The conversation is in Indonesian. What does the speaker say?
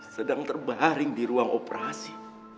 sedang terbaring di ruang operasi